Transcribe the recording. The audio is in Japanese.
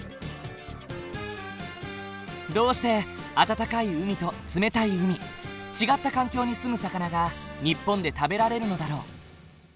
どうして温かい海と冷たい海違った環境に住む魚が日本で食べられるのだろう？